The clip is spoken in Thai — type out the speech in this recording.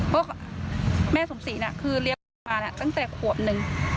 พวกแม่ซุ่มศรีเลี้ยงไปมาตั้งแต่ขวบหนึ่ง